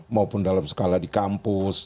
maupun dalam skala di kampus